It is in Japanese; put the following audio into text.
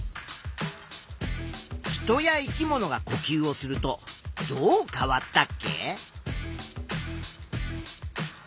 人や生き物がこきゅうをするとどう変わったっけ？